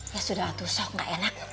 ya sudah tuh shock gak enak